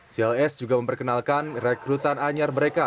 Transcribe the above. cls juga memperkenalkan rekrutan anyar mereka